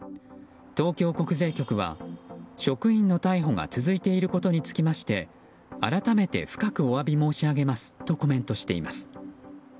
東京国税局は職員の逮捕が続いていることにつきまして改めて深くお詫び申し上げますとコメントしています。